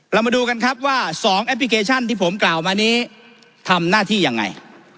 เรามาดูกันครับว่า๒แอปพลิเคชันที่ผมกล่าวมานี้ทำหน้าที่ยังไง